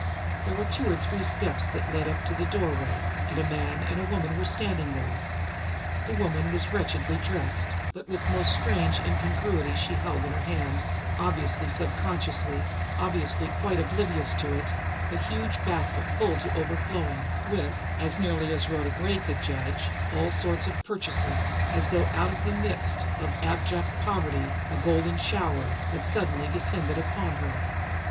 There were two or three low steps that led up to the doorway, and a man and woman were standing there. The woman was wretchedly dressed, but with most strange incongruity she held in her hand, obviously subconsciously, obviously quite oblivious of it, a huge basket full to overflowing with, as nearly as Rhoda Gray could judge, all sorts of purchases, as though out of the midst of abject poverty a golden shower had suddenly descended upon her.